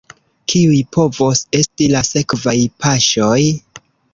Kiuj povos esti la sekvaj paŝoj?